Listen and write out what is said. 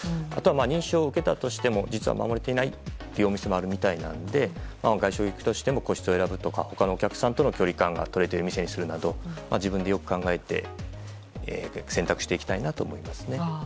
認証を受けたとしても実は守れていないお店もあるようなので外食に行くとしても個室を選ぶとか他のお客さんとの距離感が取れている店にするなど自分でよく考えて選択していきたいです。